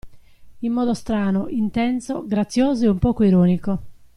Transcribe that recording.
In modo strano, intenso, grazioso e un poco ironico.